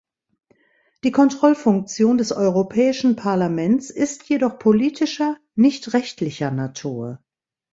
Die Kontrollfunktion des Europäischen Parlaments ist jedoch politischer, nicht rechtlicher Natur.